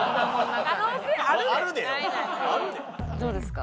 どうですか？